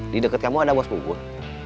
di deket kamu ada bos bukut